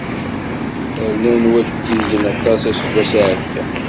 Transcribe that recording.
Rnan watigen aṭas aseggas iɛeddan.